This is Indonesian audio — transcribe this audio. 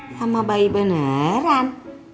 sama bayi beneran